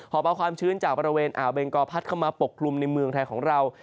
อบเอาความชื้นจากบริเวณอ่าวเบงกอพัดเข้ามาปกคลุมในเมืองไทยของเรา